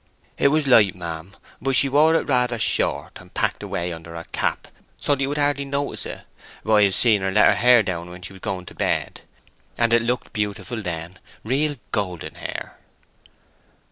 "It was light, ma'am; but she wore it rather short, and packed away under her cap, so that you would hardly notice it. But I have seen her let it down when she was going to bed, and it looked beautiful then. Real golden hair."